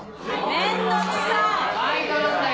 面倒くさい！